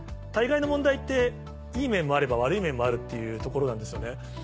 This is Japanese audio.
大概の問題っていい面もあれば悪い面もあるっていうところなんですよね。